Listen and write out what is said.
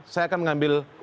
saya akan mengambil